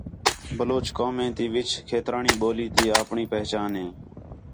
بلوچ قومیں تی وِِچ کھیترانی ٻولی تی آپݨی پہچاݨ ہے